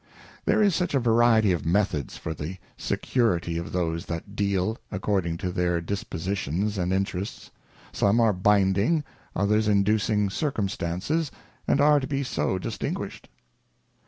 There is great Variety of Methods for the Security of those that dealj according to their Dispositions and Interests; some are binding, others inducing circumstances, and are to be so distinguished.